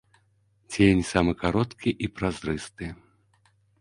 Цень самы кароткі і празрысты.